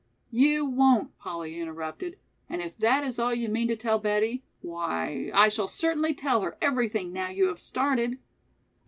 "You won't," Polly interrupted, "and if that is all you mean to tell Betty, why I shall certainly tell her everything now you have started."